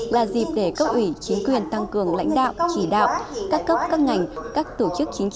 là dịp để cấp ủy chính quyền tăng cường lãnh đạo chỉ đạo các cấp các ngành